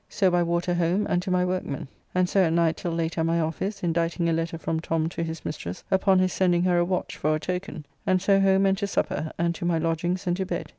So by water home and to my workmen, and so at night till late at my office, inditing a letter from Tom to his mistress upon his sending her a watch for a token, and so home and to supper, and to my lodgings and to bed.